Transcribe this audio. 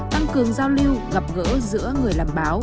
tăng cường giao lưu gặp gỡ giữa người làm báo